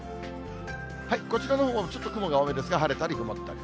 こちらのほうもちょっと雲が多めですが、晴れたり曇ったり。